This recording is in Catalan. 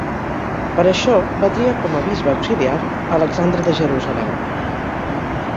Per això, va triar com a bisbe auxiliar Alexandre de Jerusalem.